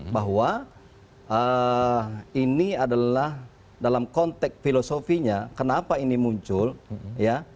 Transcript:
bahwa ini adalah dalam konteks filosofinya kenapa ini muncul ya